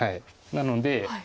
なので。